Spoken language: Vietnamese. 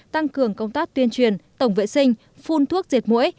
tăng cường công tác tuyên truyền tổng vệ sinh phun thuốc diệt mũi